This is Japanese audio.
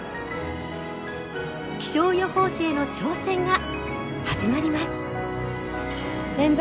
気象予報士への挑戦が始まります！